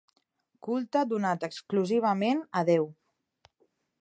Culte donat exclusivament a Déu.